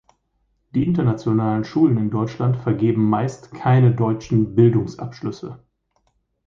Die Internationalen Schulen in Deutschland vergeben meist keine deutschen Bildungsabschlüsse.